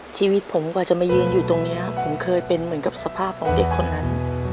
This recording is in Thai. ชีวิตผมกว่าจะมายืนอยู่ตรงนี้ผมเคยเป็นเหมือนกับสภาพของเด็กคนนั้น